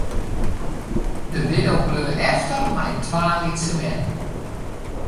De widdo bleau efter mei twa lytse bern.